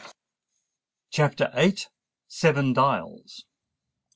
_ CHAPTER VIII. SEVEN DIALS.